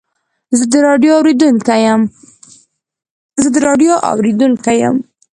زه د راډیو اورېدونکی یم.